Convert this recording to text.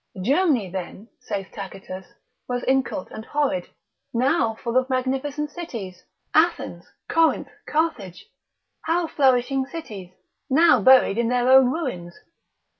Germany then, saith Tacitus, was incult and horrid, now full of magnificent cities: Athens, Corinth, Carthage, how flourishing cities, now buried in their own ruins!